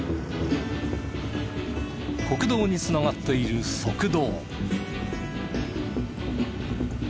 国道に繋がっている側道。